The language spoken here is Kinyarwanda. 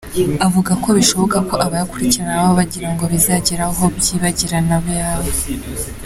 Avuga ko bishoboka ko abayakurikirana baba bagirango bizagere aho byibagirana abe ayabo.